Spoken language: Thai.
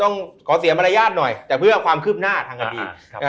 ต้องขอเสียมารยาทหน่อยแต่เพื่อความคืบหน้าทางคดีครับ